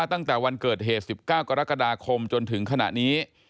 ตั้งแต่วันเกิดเหตุ๑๙กรกฎาคมจนถึงขณะนี้